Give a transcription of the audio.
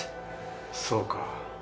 そうか。